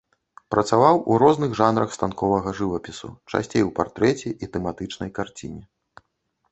Працаваў у розных жанрах станковага жывапісу, часцей у партрэце і тэматычнай карціне.